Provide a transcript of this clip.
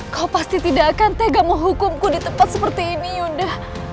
kau pasti tidak akan tega menghukumku di tempat seperti ini yunda